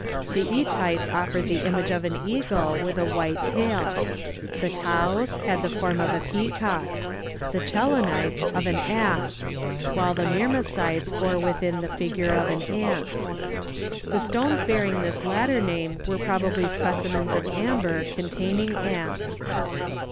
The ætites offered the image of an eagle with a white tail; the taos had the form of a peacock; the chelonites, of an asp; while the myrmecites bore within the figure of an ant. The stones bearing this latter name were probably specimens of amber containing ants.